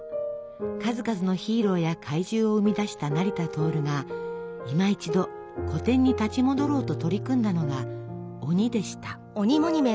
数々のヒーローや怪獣を生み出した成田亨が今一度古典に立ち戻ろうと取り組んだのが「鬼」でした。